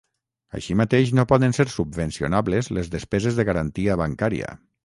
Així mateix, no poden ser subvencionables les despeses de garantia bancària.